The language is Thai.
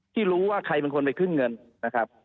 ที่รู้ว่าใครเป็นคนไปขึ้นเงินนะครับ